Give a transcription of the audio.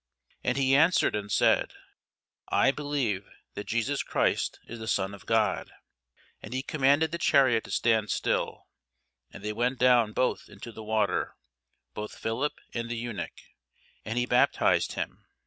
And he answered and said, I believe that Jesus Christ is the Son of God. And he commanded the chariot to stand still: and they went down both into the water, both Philip and the eunuch; and he baptized him.